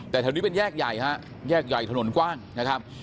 แต่แถวนี้เป็นแยกใหญ่ฮะแยกใหญ่ถนนกว้างนะครับ